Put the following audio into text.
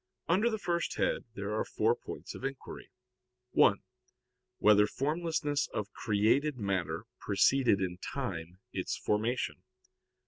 Under the first head there are four points of inquiry: (1) Whether formlessness of created matter preceded in time its formation?